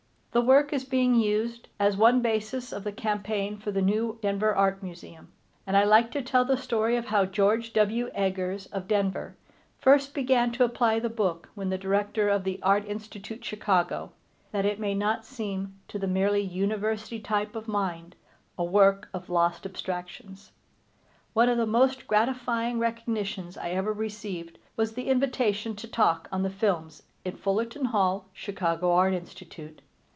The work is being used as one basis of the campaign for the New Denver Art Museum, and I like to tell the story of how George W. Eggers of Denver first began to apply the book when the Director of the Art Institute, Chicago, that it may not seem to the merely University type of mind a work of lost abstractions. One of the most gratifying recognitions I ever received was the invitation to talk on the films in Fullerton Hall, Chicago Art Institute.